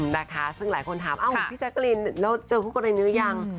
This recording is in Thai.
นะคะซึ่งหลายคนถามพี่แจ๊กรีนแล้วเจอคู่กรณีหรือยัง